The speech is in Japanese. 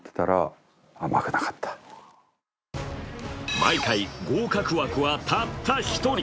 毎回、合格枠はたった１人。